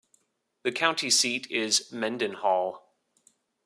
The county seat is Mendenhall.